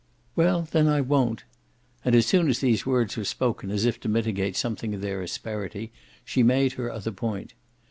"Well then I won't!" And as soon as these words were spoken, as if to mitigate something of their asperity, she made her other point.